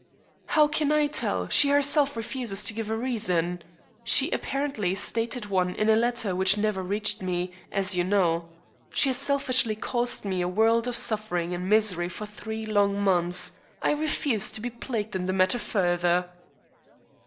"How can I tell? She herself refuses to give a reason. She apparently stated one in a letter which never reached me, as you know. She has selfishly caused me a world of suffering and misery for three long months. I refuse to be plagued in the matter further."